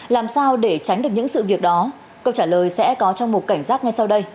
làm sao để tránh được những sự việc đó câu trả lời sẽ có trong một cảnh giác ngay sau đây